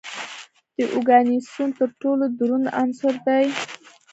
د اوګانیسون تر ټولو دروند عنصر دی.